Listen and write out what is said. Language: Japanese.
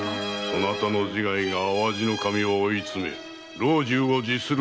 そなたの自害が淡路守を追い詰め老中を辞する羽目になる。